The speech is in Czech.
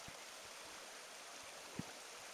Autorem všech skladeb je Scott Walker.